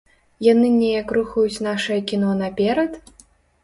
Яны неяк рухаюць нашае кіно наперад?